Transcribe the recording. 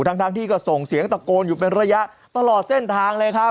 ทั้งที่ก็ส่งเสียงตะโกนอยู่เป็นระยะตลอดเส้นทางเลยครับ